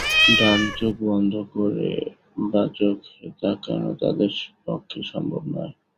ডান চোখ বন্ধ করে বা চোখে তাকানো তাদের পক্ষে সম্ভব নয়।